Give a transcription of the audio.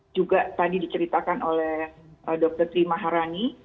juga tadi diceritakan oleh dokter tri maharani